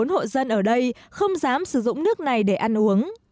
bốn mươi bốn hộ dân ở đây không dám sử dụng nước này để ăn uống